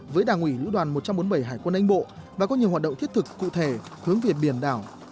với đảng ủy lữ đoàn một trăm bốn mươi bảy hải quân anh bộ và có nhiều hoạt động thiết thực cụ thể hướng về biển đảo